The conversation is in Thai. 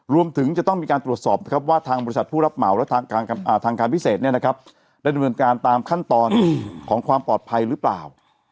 รวมถึงจะต้องมีการตรวจสอบว่าทางบริษัทผู้รับเหมาและทางการพิเศษได้ดำเนินการตามขั้นตอนของความปลอดภัยหรือเปล่า